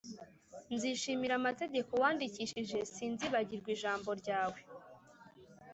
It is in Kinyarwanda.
. Nzishimira amategeko wandikishije, sinzibagirwa ijambo ryawe